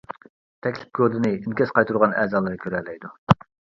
تەكلىپ كودىنى ئىنكاس قايتۇرغان ئەزالار كۆرەلەيدۇ.